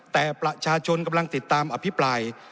แต่ประชาชนกำลังติดตามอภิปราย